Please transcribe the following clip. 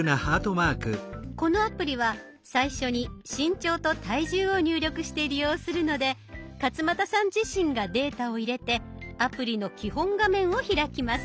このアプリは最初に身長と体重を入力して利用するので勝俣さん自身がデータを入れてアプリの基本画面を開きます。